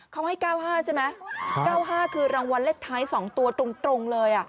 เขาให้๙๕ใช่ไหม๙๕คือรางวัลเลขท้าย๒ตัวตรงเลย